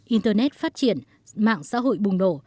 internet phát triển mạng xã hội bùng đổ